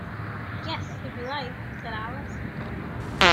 ‘Yes, if you like,’ said Alice.